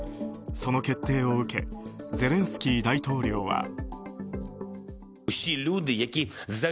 その決定を受けゼレンスキー大統領は。